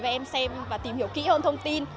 và em xem và tìm hiểu kỹ hơn thông tin